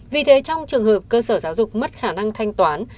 vì thế trong trường hợp cơ sở giáo dục mất khả năng thanh toán